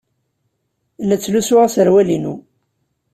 La ttlusuɣ aserwal-inu.